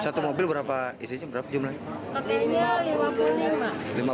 satu mobil berapa isinya berapa jumlahnya